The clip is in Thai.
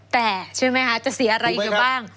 แต่ใช่ไหมคะจะเสียอะไรอีกบ้าง